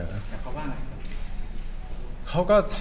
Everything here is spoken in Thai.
แล้วเขาว่าอะไร